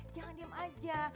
jangan diam aja